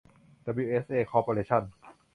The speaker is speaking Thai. ดับบลิวเอชเอ คอร์ปอเรชั่น